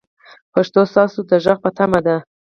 پښتو ستاسو د غږ په تمه ده.